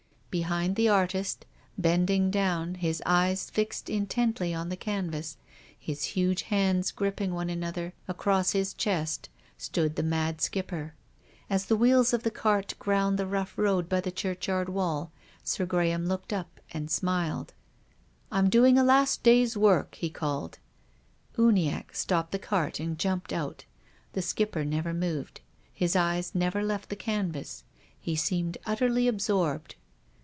Behind the artist, bending down, his eyes fixed intently on the canvas, his huge hands gripping one another across his chest, stood the mad Skipper. As the wheels of the cart ground tlie rough road by the churchyard wall, Sir Graham looked up and smiled. " I'm doing a last day's work," he called. Uniacke stopped the cart and jumped out. The Skipper never moved. His eyes never left the canvas. He seemed utterly absorbed.